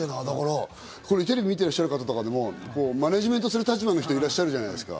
テレビ見てらっしゃる方とかでも、マネジメントする立場の方いらっしゃるじゃないですか。